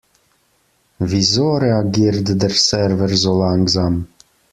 Wieso reagiert der Server so langsam?